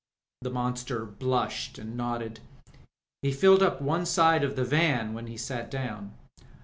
The monster blushed and nodded. He filled up one side of the van when he sat down.